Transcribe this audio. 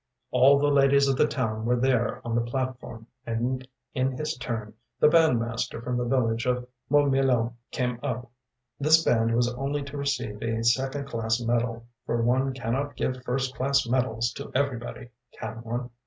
All the ladies of the town were there on the platform, and, in his turn, the bandmaster from the village of Mourmillon came up. This band was only to receive a second class medal, for one cannot give first class medals to everybody, can one?